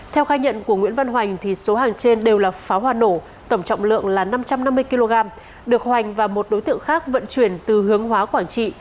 theo khai nhận của nguyễn văn hoành số hàng trên đều là pháo hoa nổ tổng trọng lượng là năm trăm năm mươi kg được hoành và một đối tượng khác vận chuyển từ hướng hóa quảng trị